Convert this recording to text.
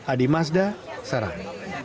adi mazda sarang